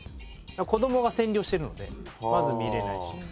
子どもが占領してるのでまず見れないし。